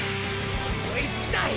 追いつきたい！！